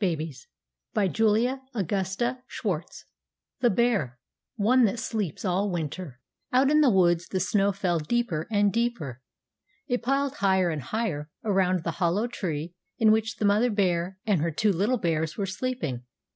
VIII THE BEAR "ONE THAT SLEEPS ALL WINTER" ONE THAT SLEEPS ALL WINTER OUT in the woods the snow fell deeper and deeper. It piled higher and higher around the hollow tree in which the mother bear and her two little bears were sleeping.